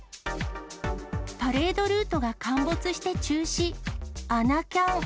パレードルートが陥没して中止。